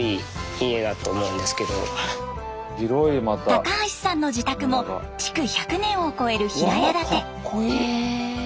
高橋さんの自宅も築１００年を超える平屋建て。